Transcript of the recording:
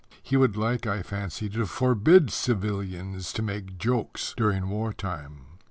He would like, I fancy, to forbid civilians to make jokes during war time.